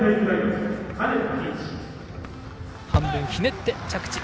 半分ひねって着地。